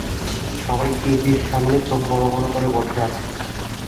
সবাই টিভির সামনে চোখ বড়বড় করে বসে আছে।